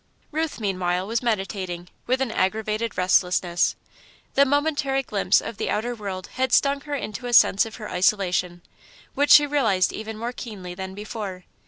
Ruth, meanwhile, was meditating, with an aggravated restlessness. The momentary glimpse of the outer world had stung her into a sense of her isolation, which she realised even more keenly than before.